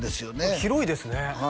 広いですね